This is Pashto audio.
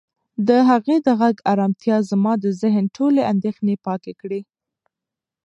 د هغې د غږ ارامتیا زما د ذهن ټولې اندېښنې پاکې کړې.